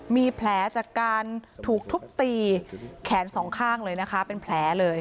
มีแผลจากการถูกทุบตีแขนสองข้างเลยนะคะเป็นแผลเลย